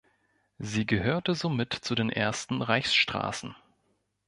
Sie gehörte somit zu den ersten Reichsstraßen.